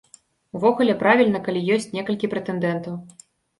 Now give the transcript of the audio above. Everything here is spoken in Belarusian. Увогуле правільна, калі ёсць некалькі прэтэндэнтаў.